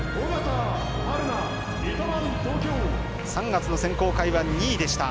３月の選考会は２位でした。